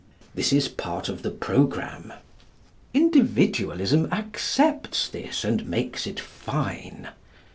This is part of the programme. Individualism accepts this and makes it fine.